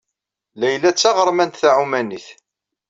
Layla d taɣermant taɛumanit.